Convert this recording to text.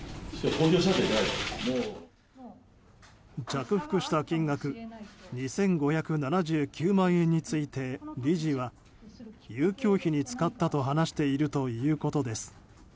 着服した金額２５７９万円について、理事は遊興費に使ったと話しているということです。